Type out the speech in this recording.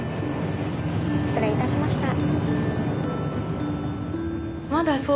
失礼いたしました。